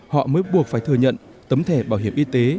họ mới buộc phải thừa nhận tấm thẻ bảo hiểm y tế